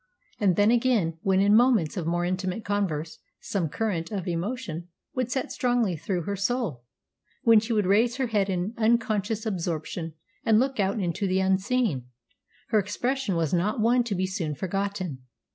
And then again, when in moments of more intimate converse some current of emotion would set strongly through her soul, when she would raise her head in unconscious absorption and look out into the unseen, her expression was not one to be soon forgotten.